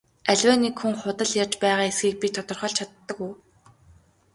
Аливаа нэг хүн худал ярьж байгаа эсэхийг би тодорхойлж чаддаг уу?